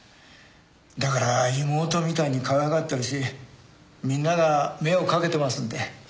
だから妹みたいにかわいがってるしみんなが目をかけてますんで。